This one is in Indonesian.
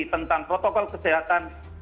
tentang protokol kesehatan